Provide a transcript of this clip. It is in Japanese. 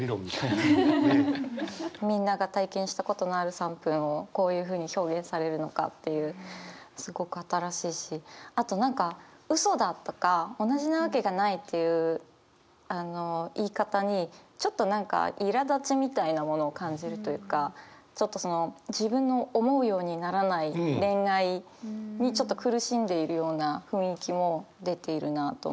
すごい。をこういうふうに表現されるのかっていうすごく新しいしあと何か「嘘だ」とか「同じなわけがない」っていう言い方にちょっと何かいらだちみたいなものを感じるというかちょっとその自分の思うようにならない恋愛にちょっと苦しんでいるような雰囲気も出ているなと思います。